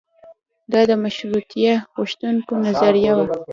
دا د مشروطیه غوښتونکیو نظریه وه.